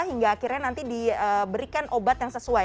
hingga akhirnya nanti diberikan obat yang sesuai